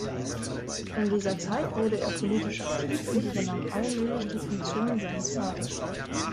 In dieser Zeit wurde er politisch aktiv und übernahm allmählich die Funktionen seines Vaters.